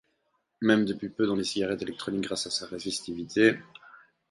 Même depuis peu dans les cigarettes électroniques grâce à sa résistivité.